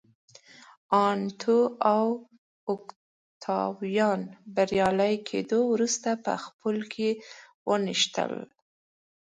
انتو او اوکتاویان بریالي کېدو وروسته په خپلو کې ونښتل